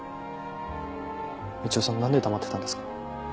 みちおさん何で黙ってたんですか。